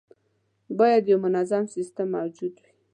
باید یو منظم سیستم موجود وي.